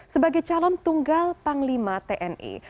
sebagai calon tunggal panglima tni